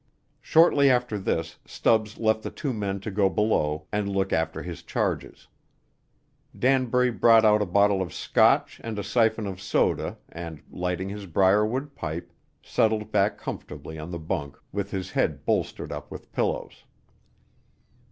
Shortly after this Stubbs left the two men to go below and look after his charges. Danbury brought out a bottle of Scotch and a siphon of soda and, lighting his brierwood pipe, settled back comfortably on the bunk with his head bolstered up with pillows.